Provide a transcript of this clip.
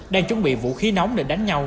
đang chuẩn bị vũ khí nóng để đánh nhau